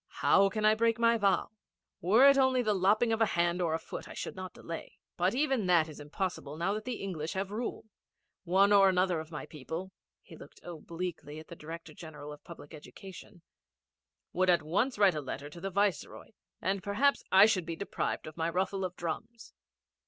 How can I break my vow? Were it only the lopping of a hand or a foot I should not delay. But even that is impossible now that the English have rule. One or another of my people' he looked obliquely at the Director General of Public Education 'would at once write a letter to the Viceroy, and perhaps I should be deprived of my ruffle of drums.'